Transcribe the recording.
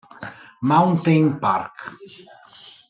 Mountain Park